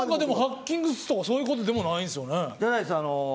ハッキングとかそういうことでもないですよね。